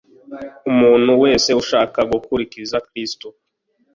umuntu wese ushaka gukurikiza Kristo,